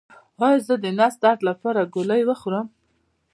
ایا زه د نس درد لپاره ګولۍ وخورم؟